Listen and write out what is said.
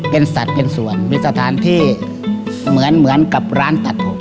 เป็นสัตว์เป็นส่วนมีสถานที่เหมือนกับร้านตัดผม